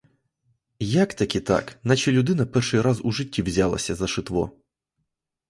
Як таки так, наче людина перший раз у житті взялася за шитво.